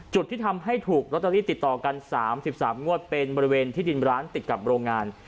ที่ทำให้ถูกลอตเตอรี่ติดต่อกัน๓๓งวดเป็นบริเวณที่ดินร้านติดกับโรงงาน